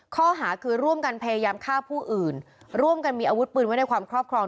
ข้อหาคือร่วมกันพยายามฆ่าผู้อื่นร่วมกันมีอาวุธปืนไว้ในความครอบครอง